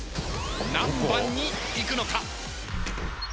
何番にいくのか？